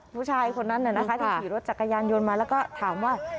ผู้ชายคนนั้นที่ขี่รถจักรยานยนต์มาแล้วก็ถามว่า